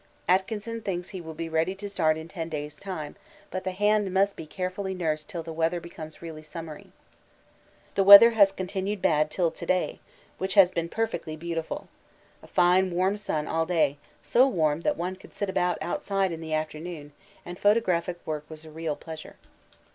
Atkinson thinks he will be ready to start in ten days' time, but the hand must be carefully nursed till the weather becomes really summery. The weather has continued bad till to day, which has been perfectly beautiful. A fine warm sun all day so warm that one could sit about outside in the afternoon, and photographic work was a real pleasure.